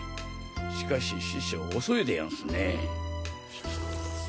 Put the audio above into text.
しかし師匠遅いでやんすねぇ。